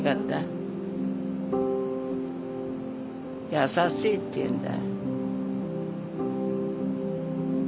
優しいっていうんだ。